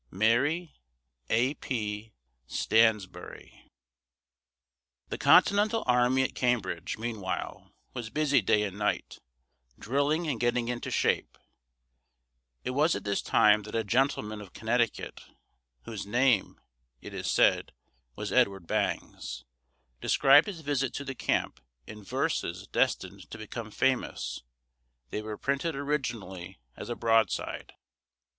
MARY A. P. STANSBURY. The Continental army at Cambridge, meanwhile, was busy day and night, drilling and getting into shape. It was at this time that "a gentleman of Connecticut," whose name, it is said, was Edward Bangs, described his visit to the camp in verses destined to become famous. They were printed originally as a broadside.